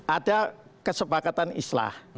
ada kesepakatan islah